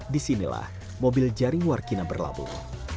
disinilah mobil jaring warung baca berlabuh